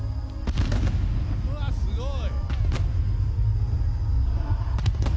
うわ、すごい！